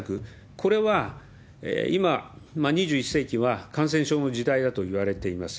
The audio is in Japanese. これは今、２１世紀は感染症の時代だといわれています。